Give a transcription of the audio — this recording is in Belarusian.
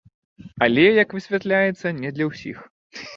Але, як высвятляецца, не для ўсіх.